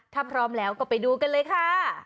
ถ้าพร้อมแล้วก็ไปดูกันเลยค่ะ